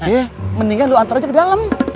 eh mendingan lu hantar aja ke dalam